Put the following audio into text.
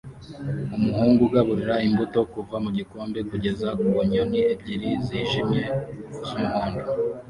Umuhungu ugaburira imbuto kuva mu gikombe kugeza ku nyoni ebyiri zijimye z'umuhondo